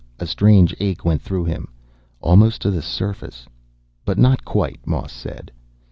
A strange ache went through him. "Almost to the surface." "But not quite," Moss said.